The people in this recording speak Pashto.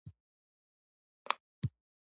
آیا باور د دولت او ملت ترمنځ شته؟